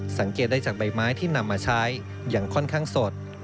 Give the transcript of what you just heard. สังเกตได้จากใบไม้ที่นำมาใช้อย่างค่อนข้างสด